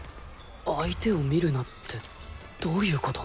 相手を見るなってどういうこと？